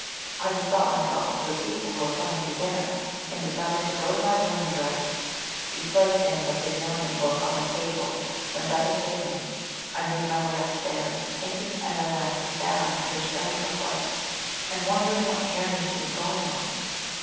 I bethought myself of the people who were coming to dinner, and decided to go to my room and dress. Replacing the "Pygmalion" book on the table whence I had taken it, I made my way upstairs, thinking as I went of Zara and her strange request, and wondering what journey she was going upon.